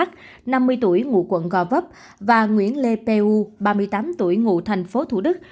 năm mươi tuổi ngụ quận gò vấp và nguyễn lê pu ba mươi tám tuổi ngụ tp thủ đức